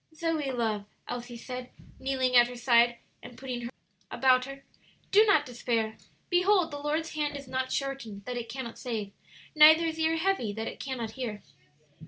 "Zoe, love," Elsie said, kneeling at her side and putting her arms about her, "do not despair. 'Behold, the Lord's hand is not shortened that it cannot save; neither His ear heavy that it cannot hear.'"